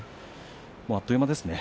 あっという間ですね。